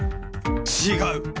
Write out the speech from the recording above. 違う！